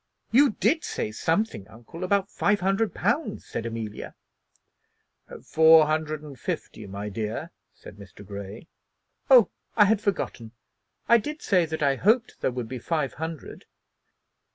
"You did say something, uncle, about five hundred pounds," said Amelia. "Four hundred and fifty, my dear," said Mr. Grey. "Oh, I had forgotten. I did say that I hoped there would be five hundred."